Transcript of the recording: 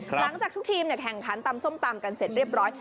หลังจากทุกทีมแข่งขันตำส้มตำกันเสร็จเรียบร้อย